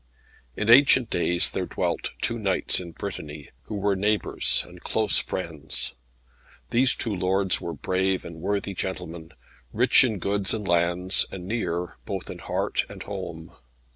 In ancient days there dwelt two knights in Brittany, who were neighbours and close friends. These two lords were brave and worthy gentlemen, rich in goods and lands, and near both in heart and home.